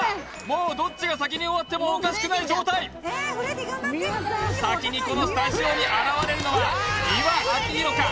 もうどっちが先に終わってもおかしくない状態先にこのスタジオに現れるのは美輪明宏か？